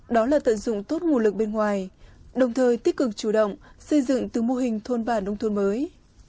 đó là tận dụng tốt nguồn lực bên ngoài đồng thời tích cực chủ động xây dựng từ mô hình thôn bản nông thôn mới